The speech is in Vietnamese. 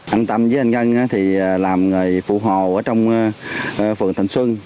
anh tâm với anh ngân thì làm người phụ hồ ở trong phường thành xuân